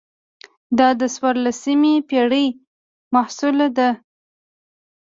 دا د څوارلسمې پېړۍ محصول ده.